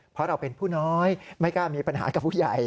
เพราะเราเป็นผู้น้อยไม่กล้ามีปัญหากับผู้ใหญ่